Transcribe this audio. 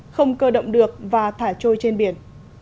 không cơ động được và thả trôi trên biển